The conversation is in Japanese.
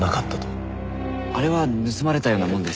あれは盗まれたようなもんです。